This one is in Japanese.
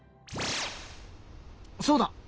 そうだ。